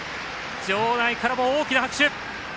場内からも大きな拍手。